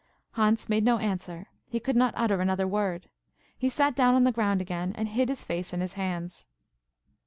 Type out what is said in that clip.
Hans made no answer. He could not utter another word. He sat down on the ground again and hid his face in his hands.